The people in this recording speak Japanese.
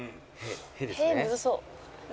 「“へ”むずそう」